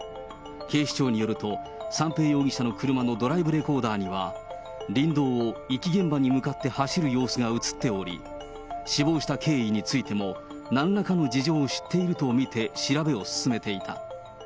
警視庁によると、三瓶容疑者の車のドライブレコーダーには、林道を遺棄現場に向かって走る様子が写っており、死亡した経緯についても、なんらかの事情を知っていると見て、調べを進めていた。